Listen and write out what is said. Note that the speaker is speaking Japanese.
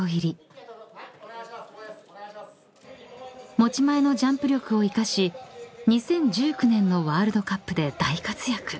［持ち前のジャンプ力を生かし２０１９年のワールドカップで大活躍］